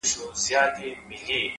غواړمه چي دواړي سترگي ورکړمه ـ